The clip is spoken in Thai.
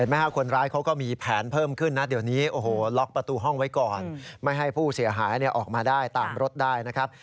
คนร้ายเขาก็มีแผนเพิ่มขึ้นนะเดี๋ยวนี้โอ้โหล็อกประตูห้องไว้ก่อนไม่ให้ผู้เสียหายออกมาได้ตามรถได้นะครับ